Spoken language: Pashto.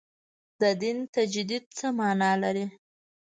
د دین تجدید څه معنا لري.